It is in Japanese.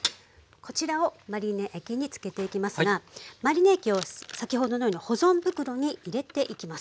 こちらをマリネ液に漬けていきますがマリネ液を先ほどのように保存袋に入れていきます。